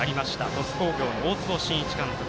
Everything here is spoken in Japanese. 鳥栖工業、大坪慎一監督。